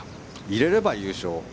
入れれば優勝。